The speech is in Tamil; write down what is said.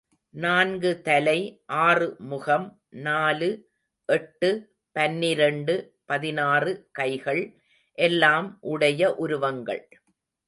நான்கு தலை, ஆறு முகம், நாலு, எட்டு, பன்னிரெண்டு, பதினாறு கைகள் எல்லாம் உடைய உருவங்கள்.